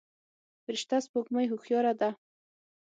فرشته سپوږمۍ هوښياره ده.